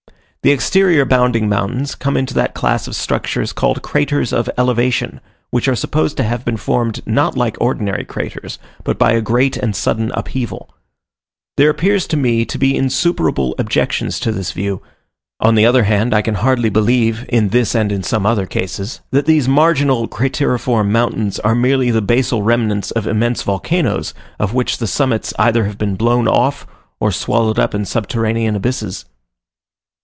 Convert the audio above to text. The exterior bounding mountains come into that class of structures called Craters of Elevation, which are supposed to have been formed not like ordinary craters, but by a great and sudden upheaval. There appears to me to be insuperable objections to this view: on the other hand, I can hardly believe, in this and in some other cases, that these marginal crateriform mountains are merely the basal remnants of immense volcanos, of which the summits either have been blown off, or swallowed up in subterranean abysses.